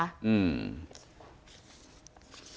อืม